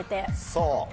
そう。